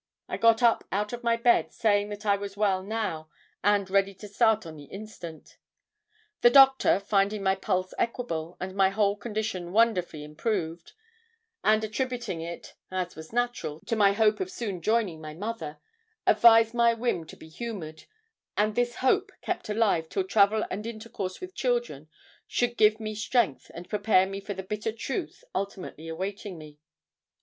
I got up out of my bed saying that I was well now and ready to start on the instant. The doctor, finding my pulse equable, and my whole condition wonder fully improved, and attributing it, as was natural, to my hope of soon joining my mother, advised my whim to be humoured and this hope kept active till travel and intercourse with children should give me strength and prepare me for the bitter truth ultimately awaiting me.